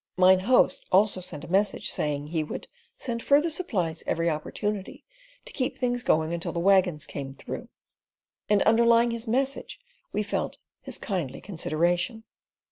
Mine Host also sent a message, saying he would "send further supplies every opportunity, to keep things going until the waggons came through," and underlying his message we felt his kindly consideration.